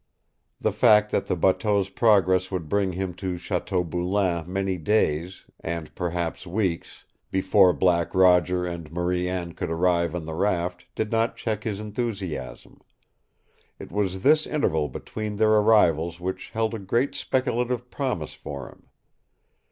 The fact that the bateau's progress would bring him to Chateau Boulain many days, and perhaps weeks, before Black Roger and Marie Anne could arrive on the raft did not check his enthusiasm. It was this interval between their arrivals which held a great speculative promise for him.